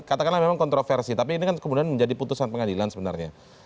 katakanlah memang kontroversi tapi ini kan kemudian menjadi putusan pengadilan sebenarnya